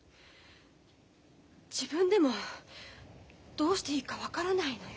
自分でもどうしていいか分からないのよ。